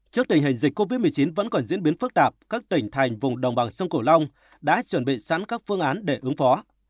trước tình hình dịch covid một mươi chín vẫn còn diễn biến phức tạp các tỉnh thành vùng đồng bằng sông cổ long đã chuẩn bị sẵn các phương án để ứng phó